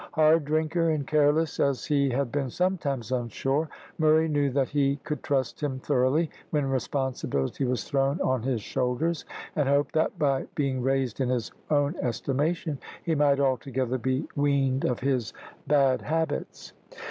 Hard drinker and careless as he had been sometimes on shore, Murray knew that he could trust him thoroughly when responsibility was thrown on his shoulders, and hoped that by being raised in his own estimation he might altogether be weaned of his bad habits.